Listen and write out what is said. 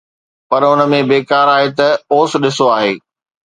پر اُن ۾ بيڪار آهي ته اوس ڏسبو آهي